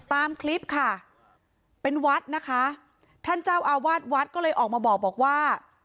ตามคลิปค่ะเป็นวัดนะคะท่านเจ้าอาวาสวัดก็เลยออกมาบอกว่า